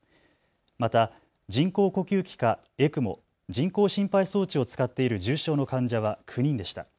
また人工呼吸器かＥＣＭＯ・人工心肺装置を使っている重症の患者は９人でした。